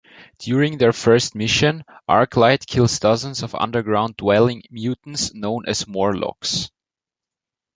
During their first mission, Arclight kills dozens of underground-dwelling mutants known as Morlocks.